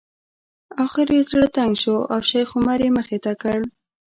اخر یې زړه تنګ شو او شیخ عمر یې مخې ته کړ.